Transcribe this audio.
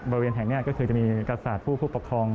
บริเวณแห่งนี้ก็คือจะมีกษาตผู้ปกครอง